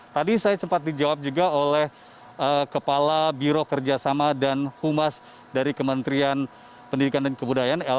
tadi saya sempat dijawab juga oleh kepala biro kerjasama dan humas dari kementerian pendidikan dan kebudayaan